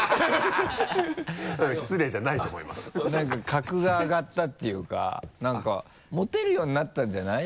格が上がったっていうか何かモテるようになったんじゃない？